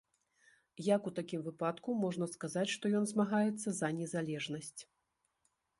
Як у такім выпадку можна сказаць, што ён змагаецца за незалежнасць?